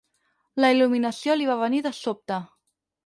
La il·luminació li va venir de sobte.